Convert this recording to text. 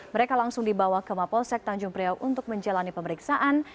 mereka langsung dibawa ke mapolsek tanjung priok untuk menjalani pemeriksaan